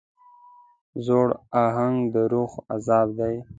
زوړ اهنګ د روح عذاب دی.